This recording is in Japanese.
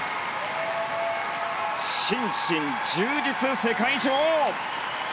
心身充実、世界女王。